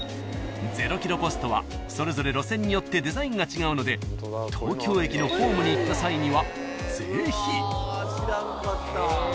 ［ゼロキロポストはそれぞれ路線によってデザインが違うので東京駅のホームに行った際にはぜひ］